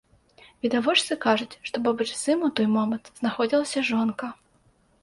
Відавочцы кажуць, што побач з ім у той момант знаходзілася жонка.